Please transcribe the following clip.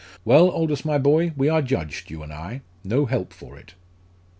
Well, Aldous, my boy, we are judged, you and I no help for it!"